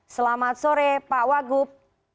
selamat sore pak wagup